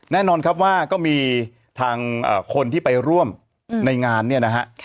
แน่นอนครับว่าก็มีทางคนที่ไปร่วมในงานเนี่ยนะฮะ